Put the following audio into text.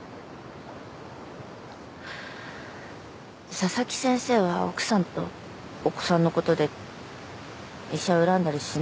佐々木先生は奥さんとお子さんの事で医者を恨んだりしないの？